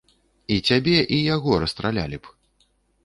І цябе і яго расстралялі б!